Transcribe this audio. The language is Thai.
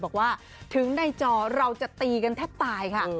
บอกว่าถึงในจอเราจะตีกันแทบตายค่ะ